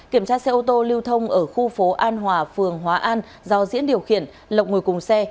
kiểm tra xe ô tô lưu thông ở khu phố an hòa phường hóa an do diễn điều khiển lộc ngồi cùng xe